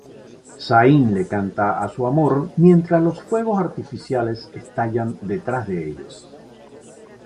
Zayn le canta a su amor mientras los fuegos artificiales estallan detrás de ellos.